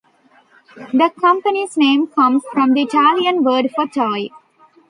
The company's name comes from the Italian word for "toy".